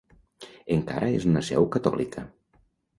Encara és una seu catòlica.